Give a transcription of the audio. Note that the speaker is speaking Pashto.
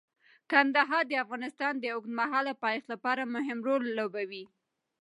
کندهار د افغانستان د اوږدمهاله پایښت لپاره مهم رول لوبوي.